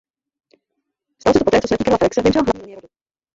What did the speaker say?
Stalo se to poté co smrtí Karla Felixe vymřela hlavní linie rodu.